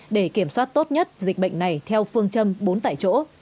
để kiểm soát tốt nhất dịch bệnh này